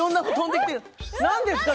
何ですか？